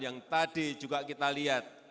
yang tadi juga kita lihat